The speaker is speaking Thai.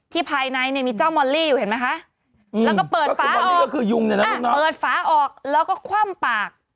ที่ภายในนี้มีเจ้ามอลลี่อยู่เห็นไหมคะแล้วก็เปิดฟ้าออกแล้วก็คว่ำปาก